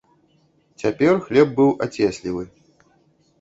Цяпер хлеб быў ацеслівы.